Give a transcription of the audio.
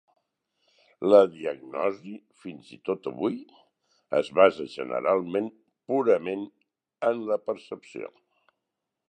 La diagnosi, fins i tot avui, es basa generalment purament en la percepció.